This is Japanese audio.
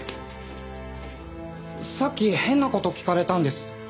さっき変な事聞かれたんです。